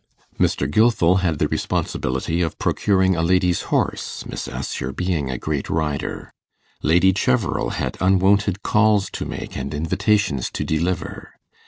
Mr. Gilfil had the responsibility of procuring a lady's horse, Miss Assher being a great rider. Lady Cheverel had unwonted calls to make and invitations to deliver.